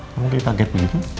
kamu jadi kaget begitu